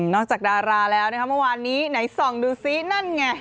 จากดาราแล้วนะคะเมื่อวานนี้ไหนส่องดูซินั่นไง